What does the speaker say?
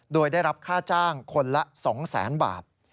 โดยได้รับค่าจ้างคนละ๒๐๐๐๐บาท